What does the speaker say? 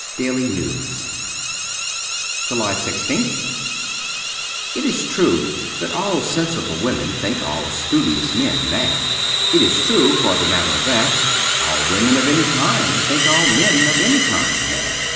* Daily News' 218 JULY 1 6th IT is true that all sensible women think all studious men mad. It is true, for the matter of that, all women of any kind think all men of any kind mad.